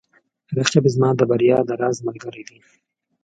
رقیب زما د بریا د راز ملګری دی